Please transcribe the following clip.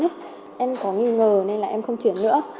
em có nghi ngờ nên là em không chuyển nữa